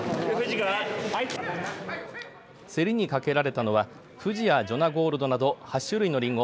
競りにかけられたのはふじやジョナゴールドなど８種類のりんご